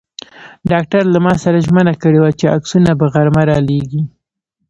ډاکټر له ما سره ژمنه کړې وه چې عکسونه به غرمه را لېږي.